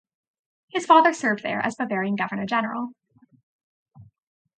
His father served there as Bavarian governor-general.